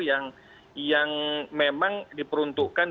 yang memang diperuntukkan